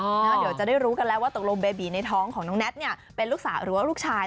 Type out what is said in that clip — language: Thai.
เดี๋ยวจะได้รู้กันแล้วว่าตกลงเบบีในท้องของน้องแท็ตเนี่ยเป็นลูกสาวหรือว่าลูกชาย